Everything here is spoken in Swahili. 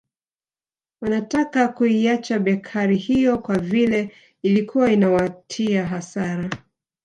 Wanataka kuiacha bekari hiyo kwa vile ilikuwa inawatia hasara